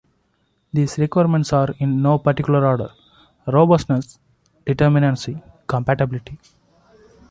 These requirements are, in no particular order: Robustness, Determinacy, Compatibility.